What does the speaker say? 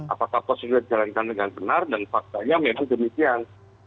apakah prosedur dijalankan dengan benar dan faktanya memang demikian